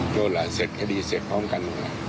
โจรเสร็จคดีเสร็จพร้อมกัน